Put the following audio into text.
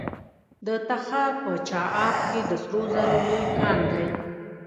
د تخار په چاه اب کې د سرو زرو لوی کان دی.